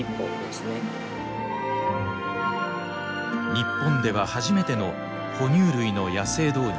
日本では初めての哺乳類の野生導入。